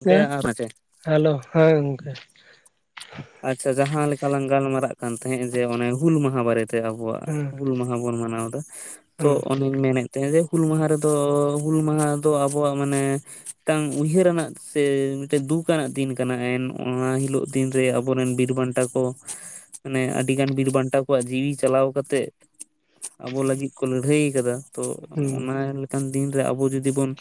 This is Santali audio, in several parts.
ᱜᱚᱝᱠᱮ ᱟᱨ ᱢᱟᱪᱮ ᱦᱮᱞᱳ, ᱦᱮᱸ ᱜᱚᱝᱠᱮ᱾ ᱟᱪᱪᱷᱟ ᱡᱟᱦᱟᱸ ᱞᱮᱠᱟ ᱞᱟᱝ ᱜᱟᱞᱢᱟᱨᱟᱜ ᱠᱟᱱ ᱛᱟᱦᱮᱸᱫ ᱡᱮ ᱚᱱᱮ ᱦᱩᱞ ᱢᱟᱦᱟ ᱵᱟᱨᱮᱛᱮ? ᱟᱵᱚᱣᱟᱜ ᱦᱮᱸ ᱦᱩᱞ ᱢᱟᱦᱟ ᱵᱚᱱ ᱢᱟᱱᱟᱣ ᱫᱟ ᱛᱚ ᱦᱮᱸ ᱚᱱᱮᱧ ᱢᱮᱱᱮᱫ, [inaudible] ᱦᱩᱞ ᱢᱟᱦᱟ ᱨᱮᱫᱚ ᱦᱩᱞ ᱢᱟᱦᱟ ᱫᱚ ᱟᱵᱚᱣᱟᱜ ᱢᱟᱱᱮ, ᱢᱤᱫᱴᱟᱝ ᱩᱭᱦᱟᱹᱨᱟᱱᱟᱜ ᱥᱮ ᱢᱤᱫᱴᱟᱝ ᱫᱩᱠ ᱟᱱᱟᱜ ᱫᱤᱱ ᱠᱟᱱᱟ ᱮᱱ ᱚᱱᱟ ᱦᱤᱞᱳᱜ ᱫᱤᱱ ᱟᱵᱚᱨᱮᱱ ᱵᱤᱨ ᱵᱟᱱᱴᱟ ᱠᱚ ᱢᱟᱱᱮ ᱟᱹᱰᱤ ᱜᱟᱱ ᱵᱤᱨ ᱵᱟᱱᱴᱟ ᱠᱚᱣᱟᱜ ᱡᱤᱣᱤ ᱪᱟᱞᱟᱣ ᱠᱟᱛᱮᱜ ᱟᱵᱚ ᱞᱟᱹᱜᱤᱫ ᱠᱚ ᱞᱟᱹᱲᱦᱟᱹᱭ ᱠᱟᱫᱟ ᱛᱚ ᱦᱩᱸ ᱚᱱᱟ ᱞᱮᱠᱟᱱ ᱫᱤᱱᱨᱮ ᱟᱵᱚ ᱡᱚᱫᱤ ᱵᱚᱱ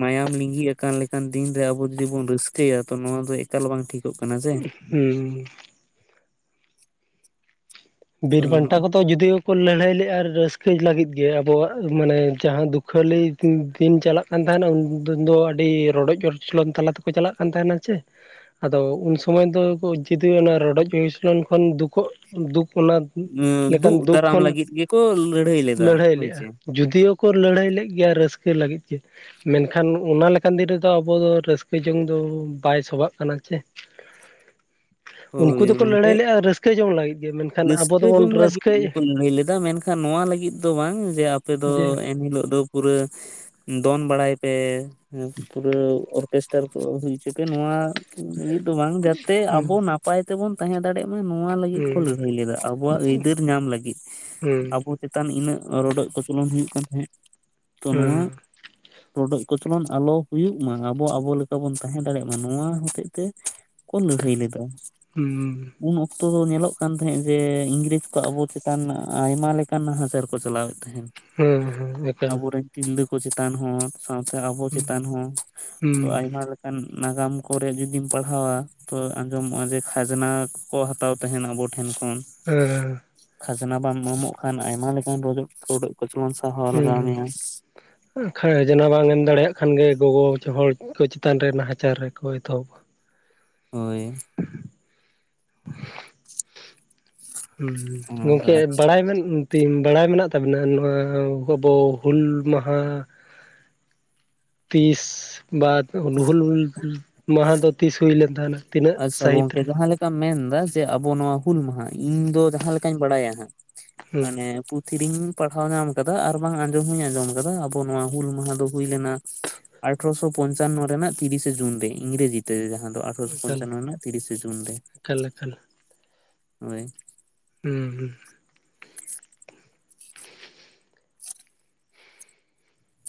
ᱢᱟᱭᱟᱢ ᱞᱤᱸᱜᱤ ᱟᱠᱟᱱ ᱞᱮᱠᱟᱱ ᱫᱤᱱ ᱨᱮ ᱟᱵᱚ ᱡᱩᱫᱤ ᱵᱚᱱ ᱨᱟᱹᱥᱠᱟᱹᱭᱟ ᱛᱚ ᱱᱚᱣᱟ ᱫᱚ ᱮᱠᱟᱞ ᱵᱟᱝ ᱴᱷᱤᱠ ᱡᱩᱛᱩᱜ ᱠᱟᱱᱟ ᱥᱮ᱾ ᱦᱩᱸ ᱛᱚ ᱵᱤᱨ ᱵᱟᱱᱴᱟ ᱠᱚ ᱛᱚ ᱡᱩᱫᱤᱭᱳ ᱠᱚ ᱞᱟᱹᱲᱦᱟᱹᱭ ᱞᱮᱜᱼᱟ ᱨᱟᱹᱥᱠᱟᱹᱭ ᱞᱟᱹᱜᱤᱫ ᱜᱮ ᱟᱵᱚᱣᱟᱜ ᱢᱟᱱᱮ ᱡᱟᱦᱟᱸ ᱫᱩᱠᱷᱟᱹᱞᱤ ᱫᱤᱱ ᱪᱟᱞᱟᱜ ᱠᱟᱱ ᱛᱟᱦᱮᱱᱟ ᱩᱱ ᱫᱤᱱ ᱫᱚ ᱟᱹᱰᱤ ᱨᱚᱰᱚᱡ ᱠᱚᱪᱚᱞᱚᱱ ᱛᱟᱞᱟ ᱛᱮᱠᱚ ᱪᱟᱞᱟᱜ ᱠᱟᱱ ᱛᱟᱦᱮᱱᱟ ᱪᱮ ᱟᱫᱚ ᱩᱱ ᱥᱚᱢᱚᱭ ᱫᱚ ᱡᱩᱫᱤ ᱚᱱᱟ ᱨᱚᱰᱚᱡ ᱠᱚᱪᱚᱞᱚᱱ ᱠᱷᱚᱱ ᱫᱩᱠᱚᱜ ᱫᱩᱠ ᱚᱱᱟ ᱞᱮᱠᱟᱱ ᱫᱩᱜ ᱫᱩᱠ ᱫᱟᱨᱟᱢ ᱠᱷᱚᱱ ᱞᱟᱹᱜᱤᱫ ᱜᱮᱠᱚ ᱞᱟᱹᱲᱦᱟᱹᱭ ᱞᱮᱫᱟ ᱞᱟᱹᱲᱦᱟᱹᱭ ᱦᱳᱭ ᱞᱮᱜᱼᱟ ᱪᱮ᱾ ᱡᱩᱫᱤᱭᱳ ᱠᱚ ᱞᱟᱹᱲᱦᱟᱹᱭ ᱞᱮᱫ ᱜᱮᱭᱟ ᱨᱟᱹᱥᱠᱟᱹ ᱞᱟᱹᱜᱤᱫ ᱜᱮ᱾ ᱢᱮᱱᱠᱷᱟᱱ ᱚᱱᱟ ᱞᱮᱠᱟᱱ ᱫᱤᱱ ᱨᱮᱫᱚ ᱟᱵᱚ ᱫᱚ ᱨᱟᱹᱥᱠᱟᱹ ᱡᱚᱝ ᱫᱚ ᱵᱟᱭ ᱥᱚᱵᱷᱟᱜ ᱠᱟᱱᱟ ᱪᱮ᱾ ᱩᱱᱠᱩ ᱦᱳᱭ ᱫᱚᱠᱚ ᱜᱚᱝᱠᱮ ᱞᱟᱹᱲᱦᱟᱹᱭ ᱞᱮᱫᱼᱟ᱾ ᱨᱟᱹᱥᱠᱟᱹ ᱡᱚᱝ ᱞᱟᱹᱜᱤᱫ ᱜᱮ ᱢᱮᱱᱠᱷᱟᱱ ᱟᱵᱚ ᱨᱟᱹᱥᱠᱟᱹ ᱫᱚᱵᱚᱱ ᱡᱚᱝ ᱞᱟᱹᱜᱤᱫ ᱨᱟᱹᱥᱠᱟᱹᱭ ᱜᱮᱠᱚ ᱞᱟᱹᱲᱦᱟᱹᱭ ᱞᱮᱫᱟ ᱢᱮᱱ ᱠᱷᱟᱱ ᱱᱚᱣᱟ ᱞᱟᱹᱜᱤᱫ ᱫᱚ ᱵᱟᱝ ᱡᱮ ᱟᱯᱮ ᱫᱚ ᱡᱮ ᱮᱱᱦᱤᱞᱳᱜ ᱫᱚ ᱯᱩᱨᱟᱹ ᱫᱚᱱ ᱵᱟᱲᱟᱭ ᱯᱮ ᱯᱩᱨᱟᱹ ᱚᱨᱠᱮᱥᱴ ᱰᱠᱟᱨ ᱠᱚ ᱦᱩᱭᱪᱚ ᱯᱮ ᱱᱚᱣᱟ ᱞᱟᱹᱜᱤᱫ ᱫᱚ ᱵᱟᱝ ᱡᱟᱛᱮ ᱦᱩᱸ ᱟᱵᱚ ᱱᱟᱯᱟᱭ ᱛᱮᱵᱚᱱ ᱛᱟᱦᱮᱸ ᱫᱟᱲᱮᱮᱜ ᱱᱚᱣᱟ ᱞᱟᱹᱜᱤᱫ ᱠᱚ ᱦᱩᱸ ᱞᱟᱹᱲᱦᱟᱹᱭ ᱞᱮᱫᱟ ᱟᱵᱚᱣᱟᱜ ᱟᱹᱭᱫᱟᱹᱨ ᱧᱟᱢ ᱞᱟᱹᱜᱤᱫ ᱦᱩᱸ ᱟᱵᱚ ᱪᱮᱛᱟᱱ ᱤᱱᱟᱹᱜ ᱨᱚᱰᱚᱡ ᱠᱚᱪᱚᱞᱚᱱ ᱦᱩᱭᱩᱜ ᱠᱟᱱ ᱛᱟᱦᱮᱸᱫ ᱛᱚ ᱱᱚᱣᱟ ᱦᱩᱸ ᱨᱚᱰᱚᱡ ᱠᱚᱪᱞᱚᱱ ᱟᱞᱚ ᱦᱩᱭᱩᱜ ᱢᱟ ᱟᱵᱚ ᱟᱵᱚ ᱞᱮᱠᱟ ᱵᱚᱱ ᱛᱟᱦᱮᱸ ᱫᱟᱲᱮᱭᱟᱜ ᱢᱟ ᱱᱚᱣᱟ ᱦᱚᱛᱮᱡ ᱛᱮ ᱠᱩ ᱞᱟᱹᱲᱦᱟᱹᱭ ᱞᱮᱫᱟ᱾ ᱦᱩᱸ ᱩᱱ ᱚᱠᱛᱚ ᱫᱚ ᱧᱮᱞᱚᱜ ᱠᱟᱱ ᱛᱟᱦᱮᱸᱜ ᱡᱮ ᱤᱝᱨᱮᱡᱽ ᱠᱚᱣᱟᱜ ᱟᱵᱚ ᱪᱮᱛᱟᱱ ᱟᱭᱢᱟ ᱞᱮᱠᱟᱱ ᱱᱟᱦᱟᱪᱟᱨ ᱠᱚ ᱪᱟᱞᱟᱣᱮᱫ ᱛᱟᱦᱮᱸᱫ᱾ ᱦᱮᱸ ᱦᱮᱸ ᱮᱠᱟᱱ ᱟᱵᱚᱨᱮᱱ ᱛᱤᱨᱞᱟᱹ ᱠᱚ ᱪᱮᱛᱟᱱ ᱦᱚᱸ ᱥᱟᱶᱛᱮ ᱟᱵᱚ ᱦᱩᱸ ᱪᱮᱛᱟᱱ ᱦᱚᱸ ᱦᱩᱸ ᱟᱭᱢᱟ ᱞᱮ ᱱᱟᱜᱟᱢ ᱠᱚᱨᱮ ᱡᱩᱫᱤᱢ ᱯᱟᱲᱦᱟᱣᱟ ᱛᱚ ᱟᱸᱡᱚᱢᱚᱜᱼᱟ ᱡᱮ ᱠᱷᱟᱡᱽᱱᱟ ᱠᱚ ᱦᱟᱛᱟᱣ ᱛᱟᱦᱮᱱᱟ ᱟᱵᱚ ᱴᱷᱮᱱ ᱠᱷᱚᱱ᱾ ᱦᱮᱸ ᱠᱷᱟᱡᱽᱱᱟ ᱵᱟᱢ ᱮᱢᱚᱜ ᱠᱷᱟᱱ ᱟᱭᱢᱟ ᱞᱮᱠᱟᱱ ᱨᱰᱚᱜ ᱨᱚᱰᱚᱜ ᱠᱚᱪᱚᱞᱚᱱ ᱥᱟᱦᱟᱣ ᱞᱟᱜᱟᱣ ᱢᱮᱭᱟ᱾ ᱦ [inaudible] ᱠᱷᱟᱡᱱᱟ ᱵᱟᱝ ᱮᱢ ᱫᱟᱲᱮᱭᱟᱜ ᱠᱷᱟᱱ ᱜᱮ ᱜᱚᱜᱚ ᱦᱚᱲ ᱠᱚ ᱪᱮᱛᱟᱱ ᱨᱮ ᱱᱟᱦᱟᱪᱟᱨ ᱨᱮᱠᱚ ᱮᱛᱚᱦᱚᱵ ᱦᱳᱭ ᱚᱱᱮ ᱚᱱᱠᱟ ᱜᱚᱝᱠᱮ ᱟᱨ ᱪᱮᱫ ᱵᱟᱲᱟᱭᱢ ᱵᱮᱱ ᱵᱟᱲᱟᱭ ᱢᱮᱱᱟᱜ ᱛᱟᱵᱚᱱᱟ ᱱᱚᱣᱟ ᱟᱵᱚ ᱦᱩᱞ ᱢᱟᱦᱟ ᱛᱤᱥ ᱵᱟᱛ ᱦᱩᱞᱩᱞ ᱢᱟᱦᱟ ᱫᱚ ᱛᱤᱥ ᱦᱩᱭᱞᱱ ᱛᱟᱦᱮᱱᱟ? ᱛᱤᱱᱟᱹᱜ ᱥᱟᱹᱦᱤᱛ ᱢᱮᱱ ᱮᱫᱟ ᱡᱮ ᱟᱵᱚ ᱱᱚᱣᱟ ᱦᱩᱞ ᱢᱟᱦᱟ ᱤᱧ ᱫᱚ ᱡᱟᱦᱟᱸ ᱞᱮᱠᱟᱧ ᱵᱟᱲᱟᱭᱟ ᱦᱟᱸᱜ ᱦᱩᱸ ᱢᱟᱱᱮ ᱯᱷᱤᱨᱤᱧ ᱯᱟᱲᱦᱟᱣ ᱧᱟᱢ ᱟᱠᱟᱫᱟ ᱟᱨ ᱵᱟᱝ ᱟᱸᱡᱚᱢ ᱦᱚᱧ ᱟᱸᱡᱚᱢ ᱟᱠᱟᱫᱟ ᱾ᱟᱵᱚ ᱱᱚᱣᱟ ᱦᱩᱞ ᱢᱟᱦᱟ ᱫᱚ ᱦᱩᱭ ᱞᱮᱱᱟ ᱟᱴᱷᱨᱚᱥᱚ ᱯᱚᱧᱪᱟᱱᱱᱚ ᱨᱮᱱᱟᱜ ᱛᱤᱨᱤᱥᱮ ᱡᱩᱱ ᱨᱮ ᱤᱝᱨᱮᱡᱤᱛᱮ ᱡᱟᱦᱟᱸ ᱫᱚ ᱟᱴᱷᱮᱨᱚᱥᱚ ᱮᱠᱟᱞ ᱯᱚᱧᱪᱟᱱᱱᱚ ᱨᱮᱱᱟᱜ ᱛᱤᱨᱤᱥᱮ ᱡᱩᱱ ᱨᱮ ᱮᱠᱟᱞ ᱮᱠᱟᱞ ᱦᱳᱭ᱾ ᱦᱩᱸ ᱦᱩᱸ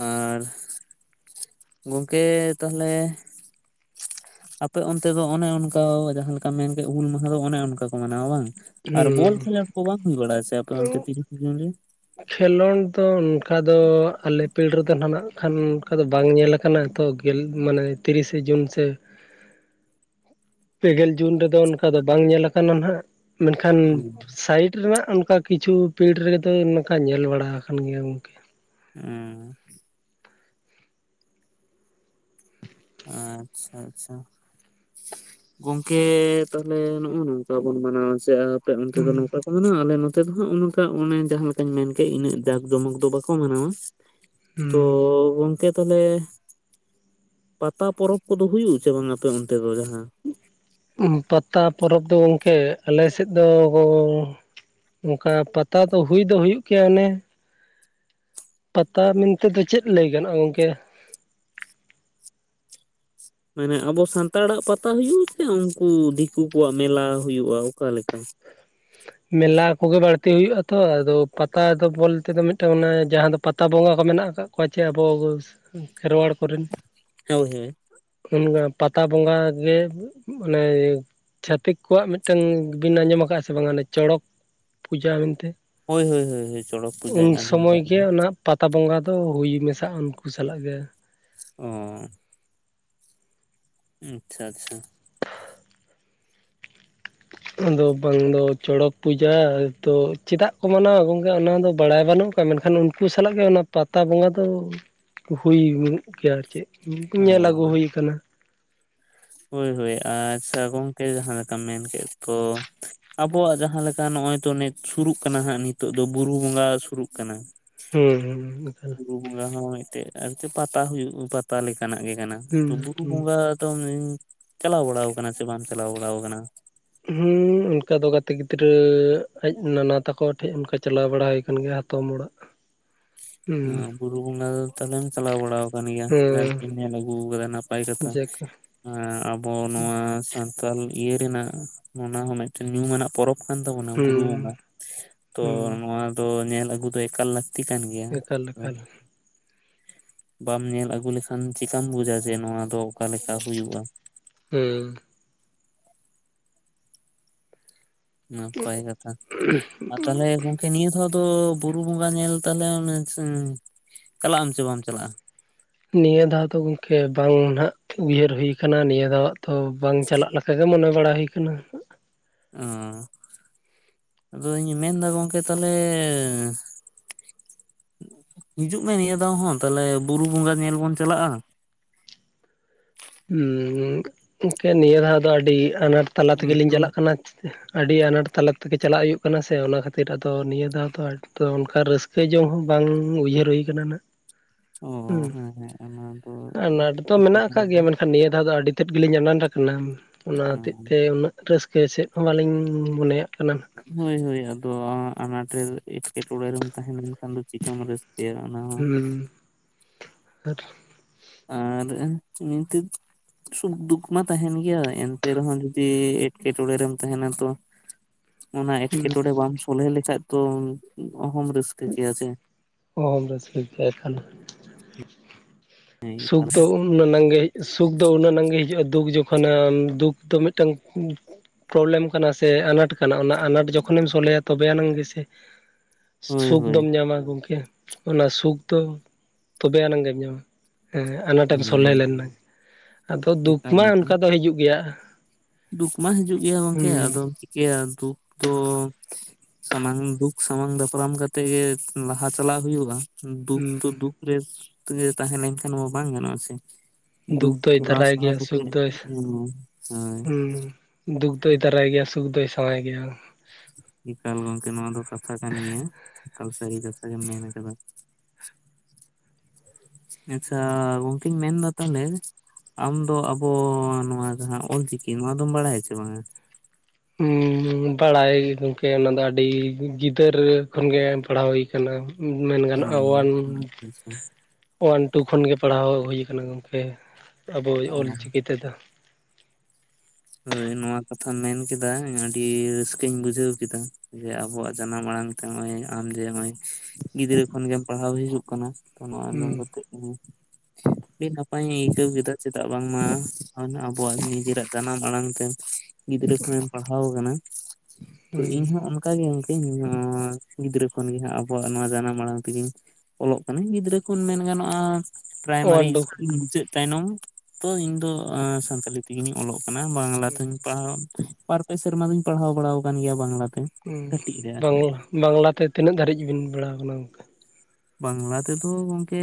ᱟᱨ ᱜᱚᱝᱠᱮ ᱛᱟᱦᱚᱞᱮ ᱟᱯᱮ ᱚᱱᱛᱮ ᱫᱚ ᱚᱱᱮ ᱚᱱᱠᱟ ᱡᱟᱦᱟᱸ ᱞᱮᱠᱟᱢ ᱢᱮᱱ ᱠᱮᱫᱮᱜ ᱦᱩᱞ ᱢᱟᱦᱟ ᱫᱚ ᱚᱱᱮ ᱚᱱᱠᱟ ᱠᱚ ᱢᱟᱱᱟᱣᱟ ᱵᱟᱝ᱾ ᱦᱩᱸ ᱟᱨ ᱵᱚᱞ ᱦᱩᱸ ᱠᱷᱮᱞᱟ ᱠᱚ ᱵᱟᱝ ᱦᱩᱭ ᱵᱟᱲᱟᱜ ᱟᱪᱮᱚᱱ ᱛᱤᱨᱤᱥ ᱡᱩᱱ ᱨᱮ ᱠᱷᱮᱞᱳᱰ ᱫᱚ ᱚᱱᱠᱟ ᱫᱚ ᱟᱞᱮ ᱯᱤᱲ ᱨᱮᱫᱚ ᱦᱚᱸ ᱱᱟᱜ ᱠᱷᱟᱱ ᱚᱱᱠᱟ ᱫᱚ ᱵᱟᱝ ᱧᱮᱞᱟ ᱟᱠᱟᱱᱟ ᱛᱚ, ᱜᱮᱞ ᱢᱟᱱᱮ ᱛᱤᱨᱤᱥᱮ ᱡᱩᱱ ᱥᱮ, ᱯᱮᱜᱮᱞ ᱡᱩᱱ ᱨᱮᱫᱚ ᱚᱱᱠᱟ ᱫᱚ ᱵᱟᱝ ᱧᱮᱞ ᱠᱟᱱᱟ ᱱᱟᱦᱟᱜ ᱢᱮᱱᱠᱷᱟᱱ ᱥᱟᱭᱤᱴ ᱨᱮᱱᱟᱜ ᱚᱱᱠᱟ ᱠᱤᱪᱷᱩ ᱯᱤᱲ ᱨᱮᱜᱮ ᱛᱚ ᱱᱚᱠᱟ ᱧᱮᱞ ᱵᱟᱲᱟ ᱟᱠᱟᱱ ᱜᱮᱭᱟ ᱜᱚᱝᱠᱮ᱾ ᱦᱸ, ᱟᱪᱪᱷᱟ ᱟᱪᱪᱷᱟ, ᱜᱚᱝᱠᱮ ᱛᱟᱦᱚᱞᱮ ᱱᱚᱜᱼᱚᱭ ᱱᱚᱝᱠᱟ ᱵᱚᱱ ᱢᱟᱱᱟᱣᱟ ᱪᱮ ᱟᱯᱮ ᱚᱱᱛᱮ ᱫᱚ ᱦᱩᱸ ᱱᱚᱝᱠᱟ ᱟᱞᱮ ᱱᱚᱛᱮ ᱫᱚ ᱦᱟᱸᱜ ᱚᱱᱚᱱᱠᱟ ᱚᱱᱮ ᱡᱟᱦᱟᱸ ᱞᱮᱠᱟᱧ ᱢᱮᱱ ᱠᱮᱜ ᱤᱱᱟᱹᱜ ᱡᱟᱠ ᱡᱚᱢᱚᱠ ᱫᱚ ᱵᱟᱠᱚ ᱢᱟᱱᱟᱣᱟ᱾ ᱛᱚ ᱦᱩᱸ ᱜᱚᱝᱠᱮ ᱛᱟᱦᱚᱞᱮ, ᱯᱟᱛᱟ ᱯᱚᱨᱚᱵᱽ ᱠᱚᱫᱚ ᱦᱩᱭᱩᱜᱼᱟᱥᱮ ᱵᱟᱝ ᱟᱯᱮ ᱚᱱᱛᱮ ᱫᱚ ᱡᱟᱦᱟᱸ? ᱯᱟᱛᱟ ᱯᱚᱨᱚᱵᱽ ᱫᱚ ᱜᱚᱝᱠᱮ ᱟᱞᱮᱥᱮᱜ ᱫᱚ ᱜᱚ ᱚᱱᱠᱟ ᱯᱟᱛᱟ ᱫᱚ ᱦᱩᱭ ᱫᱚ ᱦᱩᱭᱩᱜ ᱜᱮᱭᱟ ᱚᱱᱮ, ᱯᱟᱛᱟ ᱢᱮᱱᱛᱮᱫᱚ ᱪᱮᱫ ᱞᱟᱹᱭ ᱜᱟᱱᱚᱜᱼᱟ ᱜᱚᱝᱠᱮ? ᱢᱟᱱᱮ ᱟᱵᱚ ᱥᱟᱱᱛᱟᱲᱟᱜ ᱯᱟᱛᱟ ᱦᱩᱭᱩᱜ ᱥᱮ ᱩᱱᱠᱩ ᱫᱤᱠᱩ ᱠᱚᱣᱟᱜ ᱢᱮᱞᱟ ᱦᱩᱭᱩᱜᱼᱟ ᱚᱠᱟᱞᱮᱠᱟ᱾ [inaudible] ᱢᱮᱞᱟ ᱠᱚᱜᱮ ᱵᱟᱹᱲᱛᱤ ᱦᱩᱭᱩᱜᱼᱟ ᱛᱚ ᱟᱫᱚ ᱯᱟᱛᱟ ᱫᱚ ᱵᱚᱞᱛᱮ ᱫᱚ ᱢᱤᱫᱴᱟᱝ ᱚᱱᱟ ᱡᱟᱦᱟᱸ ᱫᱚ ᱯᱟᱛᱟ ᱵᱚᱸᱜᱟ ᱠᱚ ᱢᱮᱱᱟᱜ ᱟᱠᱟᱫ, ᱯᱟᱪᱷᱮ ᱟᱵᱚ ᱠᱚ ᱠᱷᱮᱨᱣᱟᱲ ᱠᱚᱨᱮᱱ ᱦᱚᱭ ᱦᱚᱭ, ᱚᱱᱠᱟ ᱯᱟᱛᱟ ᱵᱚᱸᱜᱟ ᱜᱮ ᱢᱟᱱᱮ ᱪᱷᱟᱹᱛᱤᱠ ᱠᱚᱣᱟᱜ ᱢᱤᱫᱴᱟᱝ ᱵᱤᱱ ᱟᱸᱡᱚᱢ ᱟᱠᱟᱫᱼᱟ ᱥᱮ ᱵᱟᱝᱟ ᱪᱚᱲᱚᱠ ᱯᱩᱡᱟᱹ ᱢᱮᱱᱛᱮ, ᱦᱳᱭ ᱦᱳᱭ ᱦᱳᱭ ᱦᱳᱭ ᱪᱚᱲᱚᱠ ᱯᱩᱡᱟᱹᱧ ᱩᱱ ᱟᱸᱡᱚᱢ ᱥᱚᱢᱚᱭ ᱠᱟᱜ ᱜᱮ᱾ ᱚᱱᱟ ᱯᱟᱛᱟ ᱵᱚᱸᱜᱟ ᱫᱚ ᱦᱩᱭ ᱢᱮᱥᱟᱜ ᱩᱱᱠᱩ ᱥᱟᱞᱟᱜ ᱜᱮ᱾ ᱚᱸᱻ ᱟᱪᱪᱷᱟ ᱟᱪᱪᱷᱟ᱾ ᱟᱫᱚ ᱵᱟᱝ ᱫᱚ ᱪᱚᱲᱚᱠ ᱯᱩᱡᱟᱹ ᱛᱚ ᱪᱮᱫᱟᱜ ᱠᱚ ᱢᱟᱱᱟᱣᱟ ᱜᱚᱝᱠᱮ ᱚᱱᱟᱫᱚ ᱵᱟᱲᱟᱭ ᱵᱟᱹᱱᱩᱜ, [unintelligible] ᱢᱮᱱᱠᱷᱟᱱ ᱩᱱᱠᱩ ᱥᱟᱞᱟᱜ ᱜᱮ ᱚᱱᱟ ᱯᱟᱛᱟ ᱵᱚᱸᱜᱟ ᱫᱚ ᱦᱩᱭ ᱜᱮᱭᱟ ᱟᱨ ᱪᱮᱜ, [unintelligible] ᱚ ᱧᱮᱞ ᱟᱹᱜᱩ ᱦᱩᱭ ᱟᱠᱟᱱᱟ᱾ ᱦᱳᱭ ᱦᱳᱭ ᱟᱪᱪᱷᱟ ᱜᱚᱝᱠᱮ ᱡᱟᱦᱟᱸ ᱞᱮᱠᱟᱢ ᱢᱮᱱ ᱠᱮᱜ ᱛᱚ ᱟᱵᱚᱣᱟᱜ ᱡᱟᱦᱟᱸ ᱞᱮᱠᱟ ᱱᱚᱜᱼᱚᱭ ᱛᱚ ᱱᱮᱨᱹᱴᱵᱥᱩᱨᱩᱜ ᱠᱟᱱᱟ ᱦᱟᱸᱜ ᱱᱤᱛᱚᱜ ᱫᱚ ᱵᱩᱨᱩ ᱵᱚᱸᱜᱟ ᱥᱩᱨᱩᱜ ᱠᱟᱱᱟ᱾ ᱦᱩᱸ ᱦᱩᱸ ᱚᱱᱠᱟ᱾ ᱚᱱᱟ ᱦᱚᱸ ᱢᱤᱜ ᱴᱮᱜ ᱟᱨ ᱯᱟᱛᱟ ᱦᱩᱭᱩᱜ ᱯᱟᱛᱟ ᱞᱮᱠᱟᱱᱟᱜ ᱜᱮ ᱠᱟᱱᱟ᱾ ᱦᱩᱸ ᱛᱚ ᱵᱩᱨᱩ ᱦᱩᱸ ᱵᱚᱸᱜᱟ ᱫᱚᱢ ᱪᱟᱞᱟᱣ ᱵᱟᱲᱟ ᱟᱠᱟᱱᱟ ᱥᱮ ᱵᱟᱢ ᱪᱟᱞᱟᱣ ᱵᱟᱲᱟ ᱟᱠᱟᱱᱟ? ᱦᱩᱸ ᱚᱱᱠᱟ ᱫᱚ ᱜᱟᱛᱮ ᱜᱤᱫᱽᱨᱟᱹ ᱟᱡ ᱱᱟᱱᱟ ᱛᱟᱠᱚ ᱴᱷᱮᱜ ᱚᱱᱠᱟ ᱪᱟᱞᱟᱣ ᱵᱟᱲᱟ ᱦᱩᱭ ᱠᱟᱱ ᱜᱮᱭᱟ ᱦᱟᱛᱚᱢ ᱚᱲᱟᱜ, [inaudible] ᱦᱚᱸ ᱵᱩᱨᱩ ᱵᱚᱸᱜᱟ ᱫᱚ ᱛᱟᱦᱞᱮᱢ ᱪᱟᱞᱟᱣ ᱵᱟᱲᱟ ᱠᱟᱱ ᱜᱮᱭᱟ ᱡᱟᱜ ᱜᱮᱢ ᱦᱩᱸ ᱧᱮᱞ ᱟᱹᱜᱩ ᱠᱟᱫᱟ ᱱᱟᱯᱟᱭ ᱠᱟᱛᱷᱟ, ᱡᱟᱠ ᱮᱸ ᱟᱵᱚ ᱱᱚᱣᱟ ᱥᱟᱱᱛᱟᱞ ᱤᱭᱟᱹ ᱨᱮᱱᱟᱜ ᱚᱱᱟ ᱦᱚᱸ ᱢᱤᱫᱴᱮᱱ ᱧᱩᱢᱟᱱᱟᱜ ᱯᱚᱨᱚᱵᱽ, ᱠᱟᱱ ᱛᱟᱵᱚᱱᱟ ᱵᱩᱨᱩ ᱵᱚᱸᱜᱟ ᱦᱩᱸ ᱛᱚ ᱦᱩᱸ ᱱᱚᱣᱟ ᱫᱚ ᱧᱮᱞ ᱟᱹᱜᱩ ᱫᱚ ᱮᱠᱟᱞ ᱞᱟᱹᱠᱛᱤ ᱠᱟᱱ, ᱮᱠᱟᱞ ᱮᱠ ᱦᱚᱸ ᱵᱟᱢ ᱧᱮᱞ ᱟᱹᱜᱩ ᱞᱮᱠᱷᱟᱱ ᱪᱮᱠᱟᱢ ᱵᱩᱡᱟ ᱡᱮ ᱱᱚᱣᱟ ᱫᱚ ᱚᱠᱟᱞᱮᱠᱟ ᱦᱩᱭᱩᱜᱼᱟ᱾ ᱦᱩᱸ ᱱᱟᱯᱟᱭ ᱠᱟᱛᱷᱟ, ᱟ ᱛᱟᱦᱚᱞᱮ ᱱᱤᱭᱟᱹ ᱫᱷᱟᱣ ᱫᱚ ᱵᱩᱨᱩ ᱵᱚᱸᱜᱟ ᱧᱮᱞ ᱛᱟᱦᱚᱞᱮ ᱚᱱᱮ ᱪᱟᱞᱟᱜ ᱟᱢ ᱥᱮ ᱵᱟᱢ ᱪᱟᱞᱟᱜᱼᱟ? ᱱᱤᱭᱟᱹ ᱫᱷᱟᱣ ᱫᱚ ᱜᱚᱝᱠᱮ ᱵᱟᱝ ᱱᱟᱜ ᱩᱭᱦᱟᱹᱨ ᱦᱩᱭ ᱟᱠᱟᱱᱟ ᱱᱤᱭᱟᱹ ᱫᱷᱟᱣ ᱟᱜ ᱛᱚ ᱵᱟᱝ ᱪᱟᱞᱟᱜ, ᱚᱱᱠᱟ ᱜᱮ ᱢᱚᱱᱮ ᱵᱟᱲᱟ ᱦᱩᱭ ᱟᱠᱟᱱᱟ᱾ ᱚᱦ ᱟᱫᱚ ᱤᱧ ᱢᱮᱱᱫᱟ ᱜᱚᱝᱠᱮ ᱛᱟᱦᱞᱮ᱾ ᱦᱤᱡᱩᱜ ᱢᱮ ᱱᱤᱭᱟᱹ ᱫᱷᱟᱣ ᱦᱚᱸ ᱛᱟᱦᱞᱮ ᱵᱩᱨᱩ ᱵᱚᱸᱜᱟ ᱧᱮᱞ ᱵᱚᱱ ᱪᱟᱞᱟᱜᱼᱟ᱾ ᱦᱮᱸ ᱜᱚᱝᱠᱮ ᱱᱤᱭᱟᱹ ᱫᱷᱟᱣ ᱫᱚ ᱟᱹᱰᱤ ᱟᱱᱟᱴ ᱛᱟᱞᱟ ᱛᱮᱜᱮᱞᱤᱧ ᱛᱚ ᱪᱟᱞᱟᱜ ᱠᱟᱱᱟ᱾ ᱟᱹᱰᱤ ᱟᱱᱟᱴ ᱛᱟᱞᱟ ᱛᱮᱜᱮ ᱪᱟᱞᱟᱜ ᱦᱩᱭᱩᱜ ᱠᱟᱱᱟ ᱥᱮ ᱚᱱᱟ ᱠᱷᱟᱹᱛᱤᱨ ᱟᱫᱚ ᱱᱤᱭᱟᱹ ᱫᱷᱟᱣ ᱫᱚ ᱚᱱᱠᱟ ᱨᱟᱹᱥᱠᱟᱹ ᱥᱮ ᱡᱚᱢ ᱦᱚᱸ ᱵᱟᱝ ᱩᱭᱦᱟᱹᱨ ᱦᱩᱭ ᱟᱠᱟᱱᱟ ᱱᱟᱜ᱾ ᱚ ᱦᱩᱸ ᱦᱮᱸ ᱦᱮᱸ ᱚᱱᱟ ᱫᱚ ᱟᱱᱟᱴ ᱫᱚ ᱢᱮᱱᱟᱜ ᱟᱠᱟᱫ ᱜᱮᱭᱟ [unintelligible] ᱢᱮᱱᱠᱷᱟᱱ ᱱᱤᱭᱟᱹ ᱫᱷᱟᱣ ᱫᱚ ᱟᱹᱰᱤ ᱛᱮᱫ ᱜᱮᱞᱤᱧ ᱟᱱᱟᱴ ᱟᱠᱟᱱᱟ, ᱚᱱᱟ ᱦᱚᱛᱮᱡ ᱛᱮ ᱩᱱᱟᱹᱜ ᱨᱟᱹᱥᱠᱟᱹ ᱪᱮᱫ ᱦᱚᱸ ᱵᱟᱹᱞᱤᱧ ᱢᱚᱱᱮᱭᱟᱜ ᱠᱟᱱᱟ᱾ ᱦᱳᱭ ᱦᱳᱭ ᱟᱫᱚ ᱟᱱᱟᱴ ᱨᱮ ᱮᱴᱠᱮᱴᱚᱬᱮ ᱨᱮᱢ ᱛᱟᱦᱮᱸ ᱞᱮᱱᱠᱷᱟᱱ ᱫᱚ ᱪᱮᱠᱟᱢ ᱨᱟ. ᱥᱠᱟ. ᱭᱟ ᱚᱱᱟ ᱦᱚᱸ ᱦᱩᱸ ᱟᱨ ᱟᱨ ᱱᱤᱛ ᱥᱩᱠ ᱫᱩᱠ ᱢᱟ ᱛᱟᱦᱮᱱ ᱜᱮᱭᱟ ᱮᱱᱛᱮ ᱨᱮᱦᱚᱸ ᱡᱩᱫᱤ ᱮᱸᱴᱠᱮᱴᱚᱲᱮ ᱨᱮᱢ ᱛᱟᱦᱮᱱᱟ ᱛᱚ ᱚᱱᱟ ᱮᱸᱴᱠᱮᱴᱚᱲᱮ ᱵᱟᱢ ᱥᱚᱞᱦᱮ ᱞᱮᱠᱷᱟᱡ ᱫᱚ ᱚᱦᱚᱢ ᱨᱟᱹᱥᱠᱟᱹ ᱠᱮᱭᱟ ᱥᱮ ᱚᱦᱚᱢ ᱨᱟᱹᱥᱠᱟ ᱠᱮᱭᱟ ᱮᱠᱷᱟᱱ᱾ ᱦᱮᱸ ᱥᱩᱠ ᱮᱠᱟᱞ, ᱫᱚ ᱩᱱᱟᱜ ᱱᱟᱝ ᱜᱮ ᱥᱩᱠ ᱫᱚ ᱩᱱᱟᱹᱜ ᱱᱟᱝ ᱜᱮ ᱦᱤᱡᱩᱜᱼᱟ, ᱫᱩᱠ ᱡᱚᱠᱷᱚᱱᱮ ᱫᱩᱠ ᱫᱚ ᱢᱤᱫᱴᱟᱝ ᱯᱨᱚᱵᱞᱮᱢ ᱠᱟᱱᱟ ᱥᱮ ᱟᱱᱟᱴ ᱠᱟᱱᱟ ᱚᱱᱟ ᱟᱱᱟᱴ ᱡᱚᱠᱷᱚᱱᱮᱢ ᱥᱚᱞᱦᱮᱭᱟ ᱛᱚᱵᱮ ᱟᱱᱟᱝ ᱜᱮᱥᱮ᱾ ᱦᱳᱭ ᱥᱩᱠ ᱦᱳᱭ ᱫᱚᱢ ᱧᱟᱢᱟ ᱜᱚᱝᱠᱮ ᱚᱱᱟ ᱥᱩᱠ ᱫᱚ ᱛᱚᱵᱮ ᱟᱱᱟᱝ ᱜᱮᱢ ᱧᱟᱢᱟ᱾ ᱦᱮᱸ ᱟᱱᱟᱴᱮᱢ ᱦᱳᱭ ᱥᱚᱞᱦᱮ ᱞᱮᱱᱟ, ᱟᱫᱚ ᱫᱩᱠ ᱮᱠᱟᱞ ᱢᱟ ᱮᱠᱟᱞ ᱚᱱᱠᱟ ᱫᱚ ᱦᱤᱡᱩᱜ ᱜᱮᱭᱟ᱾ ᱫᱩᱠ ᱢᱟ ᱦᱤᱡᱩᱜ ᱜᱮᱭᱟ ᱜᱚᱝᱠᱮ ᱦᱩᱸ ᱟᱫᱚᱢ ᱪᱤᱠᱟᱹᱭᱟ ᱫᱩᱠ ᱫᱚ᱾ ᱥᱟᱢᱟᱝ ᱫᱩᱠ ᱥᱟᱢᱟᱝ ᱫᱟᱯᱨᱟᱢ ᱠᱟᱛᱮ ᱜᱮ ᱞᱟᱦᱟ ᱪᱟᱞᱟᱜ ᱦᱩᱭᱩᱜᱼᱟ᱾ ᱫᱩᱠ ᱦᱩᱸ ᱛᱚ ᱫᱩᱠ ᱨᱮ ᱛᱮᱜᱮ ᱛᱟᱦᱮᱸ ᱞᱮᱱᱠᱷᱟᱱ ᱢᱟ ᱵᱟᱝ ᱜᱟᱱᱚᱜᱼᱟ ᱥᱮ᱾ ᱫᱩᱠ ᱫᱚᱭ ᱴᱮᱞᱟᱣ ᱫᱟᱨᱟᱭ ᱥᱟᱦᱟ ᱜᱮᱭᱟ ᱥᱩᱠ ᱠᱟᱛᱮᱜ ᱫᱚᱭ ᱦᱮᱸ, ᱟᱨ ᱦᱩᱸ ᱫᱩᱠ ᱫᱚᱭ ᱫᱟᱨᱟᱭ ᱜᱮᱭᱟ ᱥᱩᱠ ᱫᱚᱭ ᱥᱟᱶᱟᱭ ᱜᱮᱭᱟ᱾ ᱮᱠᱟᱞ ᱜᱚᱝᱠᱮ ᱱᱚᱣᱟ ᱫᱚ ᱠᱟᱛᱷᱟ ᱠᱟᱱ ᱜᱮᱭᱟ ᱮᱠᱟᱞ ᱥᱟᱹᱨᱤ ᱠᱟᱛᱷᱟ ᱜᱮᱢ ᱢᱮᱱ ᱟᱠᱟᱫᱟ᱾ [inaudible] ᱟᱪᱪᱷᱟ ᱜᱚᱝᱠᱮᱧ ᱢᱮᱱᱫᱟ ᱛᱟᱦᱞᱮ ᱟᱢ ᱫᱚ ᱟᱵᱚ ᱱᱚᱣᱟ ᱡᱟᱸᱦᱟᱸ ᱚᱞᱪᱤᱠᱤ ᱱᱚᱣᱟ ᱫᱚᱢ ᱵᱟᱲᱟᱭᱟᱪᱮ ᱵᱟᱝ-ᱟ᱾ ᱦᱮᱸ ᱵᱟᱲᱟᱭ ᱜᱮ ᱜᱚᱢᱠᱮ ᱚᱱᱟ ᱫᱚ ᱟᱹᱰᱤ ᱜᱤᱫᱟᱹᱨ ᱠᱷᱚᱱᱜᱮ ᱯᱟᱲᱦᱟᱣ ᱦᱩᱭ ᱟᱠᱟᱱᱟ᱾ ᱢᱮᱱ ᱚ ᱜᱟᱱᱚᱜᱼᱟ ᱚᱳᱣᱟᱱ ᱟᱪᱪᱷᱟ ᱳᱣᱟᱱ ᱴᱩ ᱠᱷᱚᱱ ᱜᱮ ᱯᱟᱲᱦᱟᱣ ᱦᱩᱭ ᱟᱠᱟᱱᱟ ᱜᱚᱢᱠᱮ ᱟᱵᱚᱭ ᱚᱞ ᱟᱪᱪᱷᱟ ᱪᱤᱠᱤ ᱛᱮᱫᱚ᱾ ᱦᱳᱭ ᱱᱚᱶᱟ ᱠᱟᱛᱷᱟᱢ ᱢᱮᱱ ᱠᱮᱫᱟ ᱟᱹᱰᱤ ᱨᱟᱹᱥᱠᱟᱹᱧ ᱵᱩᱡᱷᱟᱹᱣ ᱠᱮᱫᱟ᱾ ᱡᱮ ᱟᱵᱚᱣᱟᱜ ᱡᱟᱱᱟᱢ ᱟᱲᱟᱝ ᱛᱮ ᱱᱚᱜ-ᱚᱭ ᱟᱢ ᱡᱮ ᱱᱚᱜ-ᱚᱭ ᱜᱤᱫᱽᱨᱟᱹ ᱠᱷᱚᱱᱜᱮᱢ ᱯᱟᱲᱦᱟᱣ ᱦᱤᱡᱩᱜ ᱠᱟᱱᱟ᱾ ᱛᱚ ᱱᱚᱣᱟ ᱟᱸᱡᱚᱢ ᱦᱩᱸ ᱠᱟᱛᱮ ᱟᱹᱰᱤ ᱱᱟᱯᱟᱭᱤᱧ ᱟᱹᱭᱠᱟᱹᱣ ᱠᱮᱫᱟ ᱪᱮᱫᱟᱜ ᱵᱟᱝᱢᱟ ᱟᱵᱚᱣᱟᱜ ᱱᱤᱡᱮᱨᱟᱜ ᱡᱟᱱᱟᱢ ᱟᱲᱟᱝ ᱛᱮ ᱜᱤᱫᱽᱨᱟᱹ ᱠᱷᱚᱱᱮᱢ ᱯᱟᱲᱦᱟᱣ ᱟᱠᱟᱱᱟ ᱛᱚ ᱦᱩᱸ ᱤᱧ ᱦᱚᱸ ᱚᱱᱠᱟ ᱜᱮ ᱜᱚᱝᱠᱮ ᱤᱧ ᱦᱚᱸ ᱜᱤᱫᱽᱨᱟᱹ ᱠᱷᱚᱱᱜᱮ ᱟᱵᱚᱣᱟᱜ ᱱᱚᱣᱟ ᱡᱟᱱᱟᱢ ᱟᱲᱟᱝ ᱛᱮᱜᱮᱧ ᱚᱞᱚᱜ ᱠᱟᱹᱱᱟᱹᱧ ᱾ᱜᱤᱫᱽᱨᱟᱹ ᱠᱷᱚᱱ ᱢᱮᱱ ᱜᱟᱱᱚᱜᱼᱟ, ᱯᱨᱟᱭᱢᱟᱨᱤ ᱳᱣᱟᱱ ᱴᱩ ᱤᱥᱠᱩᱞ ᱢᱩᱪᱟᱹᱫ ᱛᱟᱭᱱᱚᱢ ᱛᱚ ᱤᱧᱫᱚ ᱥᱟᱱᱛᱟᱞᱤ ᱛᱮᱜᱮᱧ ᱚᱞᱚᱜ-ᱟ᱾ ᱵᱟᱝᱞᱟ ᱛᱮᱦᱚᱧ ᱦᱩᱸ ᱯᱟᱲᱦᱟᱣ ᱵᱟᱨ ᱯᱮ ᱥᱮᱨᱢᱟ ᱫᱩᱧ ᱯᱟᱲᱦᱟᱣ ᱵᱟᱲᱟ ᱟᱠᱟᱱ ᱜᱮᱭᱟ ᱵᱟᱝᱞᱟᱛᱮ᱾ ᱠᱟᱹᱴᱤᱡ ᱨᱮ ᱟᱨ ᱪᱮᱫ ᱵᱟᱝᱞᱟ ᱵᱟᱝ ᱞᱟᱛᱮ ᱛᱤᱱᱟᱹᱜ ᱫᱷᱟᱹᱨᱤᱡ ᱵᱤᱱ ᱵᱟᱲ ᱟᱠᱟᱱᱟ ᱚᱱᱠᱟᱼᱼ ᱵᱟᱝᱞᱟ ᱛᱮᱫᱚ ᱜᱚᱝᱠᱮ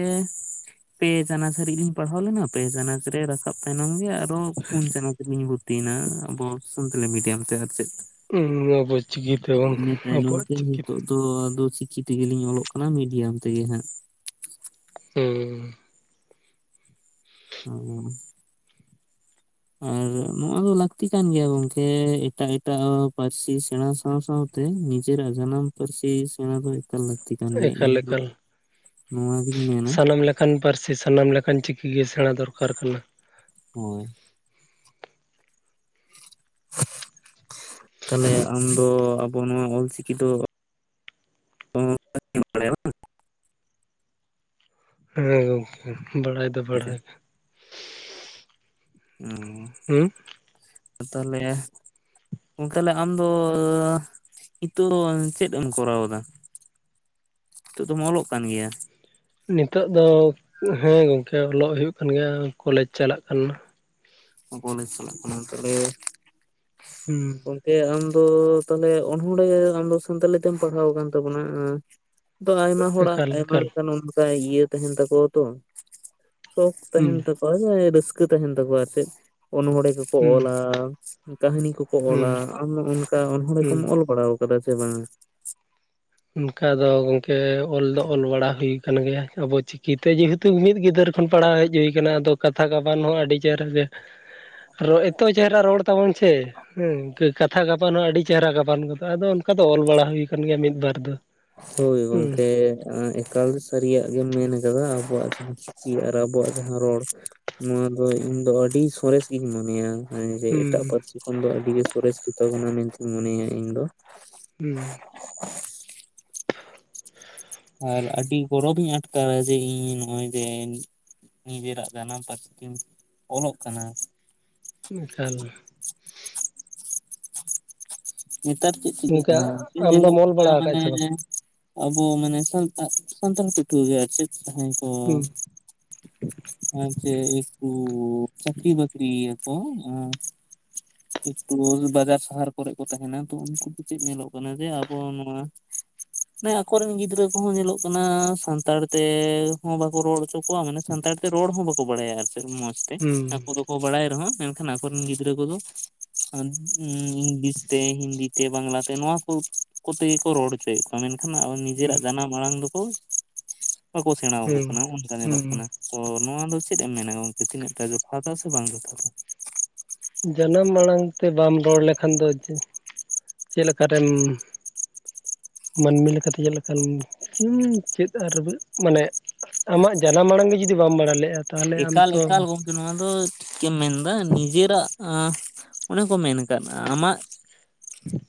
ᱯᱮ ᱪᱟᱱᱟᱪ ᱦᱟᱹᱨᱤᱡ ᱞᱤᱧ ᱯᱟᱲᱦᱟᱣ ᱞᱮᱱᱟ ᱯᱮ ᱪᱟᱱᱟᱪ ᱨᱮ ᱨᱟᱠᱟᱵ ᱛᱟᱭᱱᱚᱢ ᱜᱮᱼᱼ ᱟᱨᱚ ᱯᱩᱱ ᱪᱟᱱᱟᱪ ᱛᱮᱞᱤᱧ ᱵᱷᱩᱨᱛᱤᱭ ᱮᱱᱟ ᱟᱵᱚ ᱥᱟᱱᱛᱟᱞᱤ ᱢᱤᱰᱤᱭᱟᱢ ᱛᱮ ᱟᱨ ᱪᱮᱫ ᱟᱵᱚ ᱪᱤᱠᱤᱛᱮ ᱵᱟᱝ ᱟᱵᱚᱣᱟᱜ ᱪᱤᱠᱤ ᱚ ᱟᱫᱚ ᱪᱤᱠᱤ ᱛᱮᱜᱮᱞᱤᱧ ᱚᱞᱚᱜ ᱠᱟᱱᱟ ᱢᱤᱰᱤᱭᱟᱢ ᱛᱮᱜᱮ ᱦᱟᱸᱜ ᱦᱮᱸᱻ ᱦᱻ ᱟᱨ ᱱᱚᱶᱟ ᱫᱚ ᱞᱟᱹᱠᱛᱤ ᱠᱟᱱ ᱜᱮᱭᱟ ᱜᱚᱝᱠᱮ ᱮᱴᱟᱜ ᱮᱴᱟᱜ ᱯᱟᱹᱨᱥᱤ ᱥᱮᱬᱟ ᱥᱟᱶ ᱥᱟᱶ ᱛᱮ ᱱᱤᱡᱮᱨᱟᱜ ᱡᱟᱱᱟᱢ ᱯᱟᱹᱨᱥᱤ ᱥᱮᱬᱟ ᱫᱚ ᱮᱠᱟᱞ ᱞᱟᱹᱠᱛᱤᱼᱼ ᱜᱮ ᱮᱠᱟᱞ ᱤᱧ ᱫᱚ ᱮᱠᱟᱞ ᱱᱚᱣᱟ ᱜᱤᱧ ᱢᱮᱱᱟ ᱥᱟᱱᱟᱢ ᱞᱮᱠᱟᱱ ᱯᱟᱹᱨᱥᱤ ᱥᱟᱱᱟᱢ ᱞᱮᱠᱟᱱ ᱪᱤᱠᱤ ᱜᱮ ᱥᱮᱬᱟ ᱫᱚᱨᱠᱟᱨ ᱠᱟᱱᱟ ᱦᱳᱭ ᱛᱟᱦᱞᱮ ᱟᱢ ᱫᱚ ᱟᱵᱚ ᱱᱚᱣᱟ ᱚᱞ ᱪᱤᱠᱤ ᱫᱚᱼᱼ [unintelligible] ᱦᱮᱸ ᱜᱚᱢᱠᱮ ᱵᱟᱲᱟᱭ ᱫᱚ ᱜᱚᱝᱠᱮ ᱵᱟᱲᱟᱭ ᱦᱩᱸ ᱛᱟᱦᱚᱞᱮ ᱛᱟᱦᱚᱞᱮ ᱟᱢᱫᱚ ᱱᱤᱛᱚᱜ ᱪᱮᱫ ᱮᱢ ᱠᱚᱨᱟᱣ ᱮᱫᱟ? ᱱᱤᱛᱚᱜ ᱫᱚᱢ ᱚᱞᱚᱜ ᱠᱟᱱ ᱜᱮᱭᱟ᱾ ᱱᱤᱛᱚᱜ ᱫᱚ ᱦᱮᱸ ᱜᱚᱝᱠᱮ ᱚᱞᱚᱜ ᱦᱩᱭᱩᱜ ᱠᱟᱱ ᱜᱮᱭᱟ ᱠᱚᱞᱮᱡᱽ ᱪᱟᱞᱟᱜ ᱠᱟᱱᱟ᱾ ᱠᱚᱞᱡᱽ ᱪᱟᱞᱟᱜ ᱠᱟᱱᱟ ᱛᱟᱦᱚᱞᱮ ᱦᱩᱸ ᱜᱚᱢᱠᱮ ᱟᱢ ᱫᱚ ᱛᱟᱦᱞᱮ ᱚᱱᱚᱲᱦᱮ ᱟᱢ ᱥᱟᱱᱛᱟᱞᱤ ᱛᱮᱢ ᱯᱟᱲᱦᱟᱣ ᱟᱠᱟᱱ ᱛᱟᱵᱚᱱᱟ᱾ ᱟ ᱟᱭᱢᱟ ᱦᱚᱲᱟᱜ ᱮᱠᱟᱞ ᱟᱭᱢᱟ ᱮᱠᱟᱞ ᱞᱮᱠᱟᱱ ᱚᱱᱠᱟ ᱤᱭᱟᱹ ᱛᱟᱦᱮᱱ ᱛᱟᱠᱚᱣᱟ ᱛᱚ ᱥᱠᱷ ᱛᱟᱦᱮᱱ ᱦᱩᱸ ᱛᱟᱠᱚᱣᱟ ᱡᱮ ᱨᱟᱹᱥᱠᱟᱹ ᱛᱟᱦᱮᱱ ᱛᱟᱠᱚᱣᱟ ᱟᱨ ᱪᱮᱫ ᱚᱱᱚᱚᱲᱦᱮ ᱠᱚ ᱠᱚ ᱦᱩᱸ ᱚᱞᱟ ᱠᱟᱹᱦᱱᱤ ᱠᱚᱠᱚ ᱚᱞᱟ ᱦᱩᱸ ᱟᱢ ᱚᱱᱠᱟ ᱚᱱᱚᱲᱦᱮ ᱠᱚᱢ ᱦᱩᱸ ᱚᱞᱼᱼ ᱚᱞ ᱵᱟᱲᱟ ᱟᱠᱟᱫᱟ ᱥᱮ ᱵᱟᱝ? ᱚᱱᱠᱟ ᱫᱚ ᱜᱚᱝᱠᱮ ᱚᱞ ᱫᱚ ᱚᱞ ᱵᱟᱲᱟ ᱦᱩᱭ ᱠᱟᱱᱟᱱ ᱜᱮᱭᱟ ᱟᱵᱚ ᱪᱼᱼ ᱪᱤᱠᱤ ᱛᱮ ᱡᱮᱦᱮᱛᱩ ᱢᱤᱫ ᱜᱤᱫᱟᱹᱨ ᱠᱷᱚᱱ ᱯᱟᱲᱦᱟᱣ ᱦᱮᱡ ᱦᱩᱭ ᱠᱟᱱᱟ ᱟᱫᱚ ᱠᱟᱛᱷᱟ ᱜᱟᱵᱟᱱ ᱦᱚᱸ ᱟᱹᱰᱤ ᱪᱮᱦᱨᱟ ᱜᱮᱼᱼ ᱮᱛᱚ ᱪᱮᱦᱨᱟ ᱨᱚᱲ ᱛᱟᱵᱚᱱ ᱥᱮᱼᱼ ᱦᱩᱸ ᱠᱟᱛᱷᱟ ᱜᱟᱵᱟᱱ ᱦᱚᱸ ᱟᱹᱰᱤ ᱪᱮᱦᱨᱟ ᱜᱟᱵᱟᱱ ᱜᱫᱚᱜᱼᱟ ᱟᱫᱚ ᱚᱱᱠᱟ ᱫᱚ ᱚᱞ ᱵᱟᱲᱟ ᱦᱩᱭ ᱟᱠᱟᱱ ᱜᱮᱭᱟ ᱢᱤᱫ ᱵᱟᱨ ᱫᱚ ᱦᱳᱭ ᱦᱩᱸ ᱜᱚᱢᱠᱮ ᱮᱠᱟᱞ ᱥᱟᱹᱨᱤᱭᱟᱜ ᱜᱮᱢ ᱢᱮᱱ ᱠᱟᱫᱟ ᱟᱵᱚᱣᱟᱜ ᱡᱟᱦᱟᱸ ᱪᱤᱠᱤ ᱟᱨ ᱟᱵᱚᱣᱟᱜ ᱡᱟᱦᱟᱸ ᱨᱚᱲ ᱱᱚᱣᱟ ᱫᱚ ᱤᱧ ᱫᱚ ᱟᱹᱰᱤ ᱥᱚᱨᱮᱥ ᱜᱤᱧ ᱢᱚᱱᱮᱭᱟ᱾ ᱦᱮᱸ ᱡᱮ ᱮᱴᱟᱜ ᱦᱩᱸ ᱯᱟᱹᱨᱥᱤ ᱠᱷᱚᱱ ᱫᱚ ᱟᱹᱰᱤ ᱜᱮ ᱥᱚᱨᱮᱥ ᱜᱮᱛᱟᱵᱚᱱᱟ ᱢᱮᱱᱛᱤᱧ ᱢᱚᱱᱮᱭᱟ ᱤᱧ ᱫᱚ᱾ ᱦᱩᱸ ᱟᱨ ᱟᱹᱰᱤ ᱜᱚᱨᱚᱵᱤᱧ ᱟᱴᱠᱟᱨᱟ ᱡᱮ ᱤᱧ ᱱᱚᱜᱼᱚᱭ ᱡᱮᱼᱼ ᱱᱤᱡᱮᱨᱟᱜ ᱡᱟᱱᱟᱢ ᱯᱟᱹᱨᱥᱤ ᱛᱮᱧ ᱚᱞᱚᱜ ᱠᱟᱱᱟ᱾ ᱚᱱᱠᱷᱟᱱ ᱱᱮᱛᱟᱨ ᱪᱮᱫ ᱪᱤᱠᱟᱹᱜ ᱠᱟᱱᱟ ᱜᱚᱝᱠᱮ ᱟᱢᱫᱚᱢ ᱧᱮᱞᱚᱜ ᱚᱞ ᱠᱟᱱᱟ ᱵᱟᱲᱟ ᱟᱠᱟᱫ ᱢᱟᱱᱮᱼᱼ ᱪᱮ ᱵᱟᱝ ᱟᱵᱚ ᱢᱟᱱᱮ ᱥᱟᱱᱛᱟᱲ ᱥᱟᱱᱛᱟᱲ ᱯᱟᱹᱴᱷᱩᱣᱟᱹ ᱜᱮ ᱟᱨ ᱪᱮᱫ ᱦᱮᱸ ᱦᱩᱸ ᱟᱪᱪᱮ ᱤᱠᱩ ᱪᱠᱨᱤ ᱵᱠᱨᱤ ᱟᱠᱚ ᱤ ᱠᱩᱞ ᱵᱟᱡᱟᱨ ᱥᱟᱦᱟᱨ ᱠᱚᱨᱮᱜᱼᱼ ᱠᱚ ᱛᱟᱦᱮᱱᱟ ᱛᱚ ᱩᱱᱠᱩ ᱠᱚ ᱪᱮᱫ ᱧᱮᱞᱚᱜ ᱠᱟᱱᱟ ᱡᱮ ᱟᱵᱚ ᱱᱚᱣᱟ ᱢᱟᱱᱮ ᱟᱠᱚ ᱨᱮᱱ ᱜᱤᱫᱽᱨᱟᱹ ᱠᱚᱦᱚᱸ ᱧᱮᱞᱚᱜ ᱠᱟᱱᱟ ᱥᱟᱱᱛᱟᱲ ᱛᱮ ᱦᱚᱸ ᱵᱟᱠᱚ ᱨᱚᱲ ᱦᱚᱪᱚ ᱠᱚᱣᱟ ᱢᱟᱱᱮ ᱥᱟᱱᱛᱟᱲ ᱛᱮ ᱨᱚᱲ ᱦᱚᱸ ᱵᱟᱠᱚ ᱵᱟᱲᱟᱭᱟ ᱟᱨ ᱪᱮᱫ ᱢᱚᱸᱡᱽ ᱛᱮ᱾ ᱦᱩᱸ ᱟᱠᱚ ᱫᱚ ᱠᱚ ᱵᱟᱲᱟᱭ ᱨᱮᱦᱚᱸ ᱢᱮᱱᱠᱷᱟᱱ ᱟᱠᱚ ᱨᱮᱱ ᱜᱤᱫᱽᱨᱟᱹ ᱠᱚᱫᱚ [inaudible] ᱤᱝᱞᱤᱥ ᱛᱮ, ᱦᱤᱱᱫᱤ ᱛᱮ, ᱵᱟᱝᱞᱟ ᱛᱮ ᱱᱚᱣᱟ ᱠᱚ, ᱠᱚ ᱛᱮᱜᱮ ᱠᱚ ᱨᱚᱲ ᱦᱚᱪᱚᱭᱮᱫ ᱠᱚᱣᱟ ᱢᱮᱱᱠᱷᱟᱱ ᱱᱟᱦᱟᱜ ᱦᱩᱸ ᱱᱤᱡᱮᱨᱟᱜ ᱡᱟᱱᱟᱢ ᱢᱟᱲᱟᱝ ᱫᱚᱠᱚ, ᱵᱟᱠᱚ ᱥᱮᱬᱟᱣ ᱟᱠᱚ ᱠᱟᱱᱟ ᱦᱩᱸ ᱚᱱᱠᱟ ᱧᱮᱞᱚᱜ ᱠᱟᱱᱟ᱾ ᱦᱩᱸ ᱚ ᱱᱚᱣᱟ ᱫᱚ ᱪᱮᱫ ᱮᱢ ᱢᱮᱱᱟ ᱜᱚᱝᱠᱮ ᱛᱤᱱᱟᱹᱜ ᱴᱟ ᱡᱚᱛᱷᱟᱛᱟ ᱥᱮ ᱵᱟᱝ ᱡᱚᱛᱷᱟᱛᱟ? ᱡᱟᱱᱟᱢ ᱟᱲᱟᱝ ᱛᱮ ᱵᱟᱢ ᱨᱚᱲ ᱞᱮᱠᱷᱟᱱ ᱫᱚ, ᱪᱮᱫ ᱞᱮᱠᱟᱨᱮᱢ ᱢᱟᱹᱱᱢᱤ ᱞᱮᱠᱟᱛᱮ ᱪᱮᱫ ᱞᱮᱠᱟᱱ ᱩᱸ ᱪᱮᱫ ᱟᱨ ᱢᱟᱱᱮ ᱟᱢᱟᱜ ᱡᱟᱱᱟᱢ ᱢᱟᱲᱟᱝ ᱜᱮ ᱡᱩᱫᱤ ᱵᱟᱢ ᱵᱟᱲᱟᱭ ᱞᱮᱜᱼᱟ, ᱛᱟᱦᱚᱞᱮ ᱟᱢ ᱮᱠᱟᱞ ᱛᱚ ᱮᱠᱟᱞ ᱜᱚᱝᱠᱮ ᱱᱚᱣᱟ ᱫᱚ ᱴᱷᱤᱠᱮᱢ ᱢᱮᱱᱫᱟ ᱱᱤᱡᱮᱨᱟᱜᱟᱸ ᱚᱱᱮ ᱠᱚ ᱢᱮᱱ ᱠᱟᱫ ᱟᱢᱟᱜ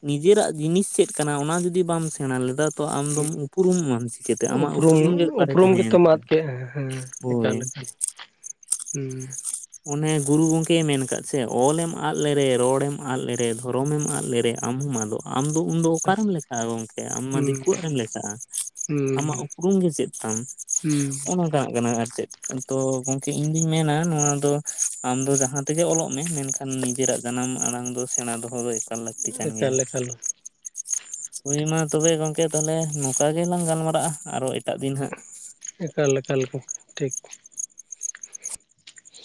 ᱱᱤᱡᱮᱨᱟᱜ ᱡᱤᱱᱤᱥ ᱪᱮᱫ ᱠᱟᱱᱟ ᱚᱱᱟ ᱡᱩᱫᱤ ᱵᱟᱢ ᱥᱮᱬᱟ ᱞᱮᱫᱟ, ᱛᱚ ᱟᱢᱫᱚᱢ ᱩᱯᱩᱨᱢᱚᱜ ᱟᱢ ᱪᱤᱠᱟᱹᱛᱮ ᱟᱢᱟᱜ ᱩᱯᱨᱩᱢ ᱜᱮ ᱚᱠᱟᱨᱮ ᱩᱯᱨᱩᱢ ᱛᱟᱦᱮᱸᱭᱮᱱ ᱜᱮᱛᱚᱢ ᱛᱟᱢᱟ᱾ ᱟᱫ ᱠᱮᱜᱼᱟ ᱦᱮᱸ ᱦᱳᱭ᱾ ᱮᱠᱟᱞ ᱮᱠᱟᱞ ᱦᱩᱸ᱾ ᱚᱱᱮ ᱜᱩᱨᱩ ᱜᱚᱝᱠᱮ ᱢᱮᱱ ᱠᱟᱫ ᱪᱷᱮ, ᱚᱞᱮᱢ ᱟᱫ ᱞᱮᱨᱮ, ᱨᱚᱲᱮᱢ ᱟᱫ ᱞᱮᱨᱮ, ᱫᱷᱚᱨᱚᱢᱮᱢ ᱟᱫ ᱞᱮᱨᱮ, ᱟᱢ ᱦᱚᱢ ᱟᱫᱚᱜ-ᱟ᱾ ᱟᱢ ᱫᱚ ᱩᱱᱫᱚ ᱮᱠᱟᱞ ᱚᱠᱟᱨᱮᱢ ᱞᱮᱠᱷᱟᱜᱼᱟ ᱜᱚᱝᱠᱮ ᱟᱢ ᱢᱟ ᱦᱩᱸ ᱫᱤᱠᱩᱣᱟᱜ ᱨᱮᱢ ᱞᱮᱠᱷᱟᱜᱼᱟ᱾ ᱦᱩᱸ ᱟᱢᱟᱜ ᱩᱯᱨᱩᱢ ᱜᱮ ᱪᱮᱫ ᱛᱟᱢ᱾ [inaudible] ᱦᱩᱸ ᱦᱮᱣᱟᱜ ᱠᱟᱱᱟ ᱟᱨ ᱪᱮᱫ, ᱛᱚ ᱜᱚᱝᱠᱮ ᱤᱧ ᱫᱩᱧ ᱢᱮᱱᱟ ᱱᱚᱣᱟ ᱛᱚ, ᱟᱢ ᱫᱚ ᱡᱟᱦᱟᱸ ᱛᱮᱜᱮ ᱚᱞᱚᱜ ᱢᱮ ᱢᱮᱱᱠᱷᱟᱱ ᱱᱤᱡᱮᱨᱟᱜ ᱡᱟᱱᱟᱢ ᱟᱲᱟᱝ ᱫᱚ ᱥᱮᱬᱟ ᱫᱚᱦᱚ ᱫᱚ ᱮᱠ ᱠᱟᱞ ᱞᱟᱹᱠᱛᱤ ᱠᱟᱱ ᱜᱮᱭᱟ᱾ ᱮᱠᱟᱞ ᱮᱠᱟᱞ ᱦᱳᱭ ᱢᱟ ᱛᱚᱵᱮ ᱜᱚᱝᱠᱮ ᱛᱟᱦᱞᱮ ᱱᱚᱝᱠᱟ ᱜᱮᱞᱟᱝ ᱜᱟᱞᱢᱟᱨᱟᱜᱼᱟ, ᱟᱨᱚ ᱮᱴᱟᱜ ᱫᱤᱱ ᱦᱟᱸᱜ ᱮᱠᱟᱞ ᱮᱠᱟᱞ [inaudible] ᱴᱷᱤᱠ᱾